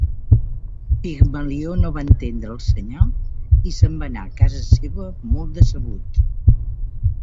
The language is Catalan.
Pigmalió no va entendre el senyal i se'n va anar a casa seva molt decebut.